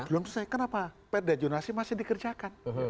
belum selesai kenapa perda jonasi masih dikerjakan